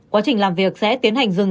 quá trình làm việc sẽ tiến hành dừng